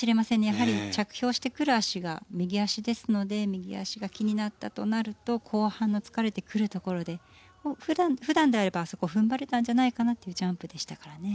やはり着氷してくる足が右足ですので右足が気になったとなると後半の疲れてくるところで普段であればあそこ踏ん張れたんじゃないかなっていうジャンプでしたからね。